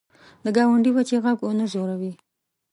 د ګاونډي بچي غږ ونه ځوروې